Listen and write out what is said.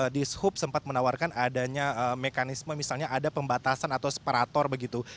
di sub sempat menawarkan adanya mekanisme misalnya ada pembatasan atau separator begitu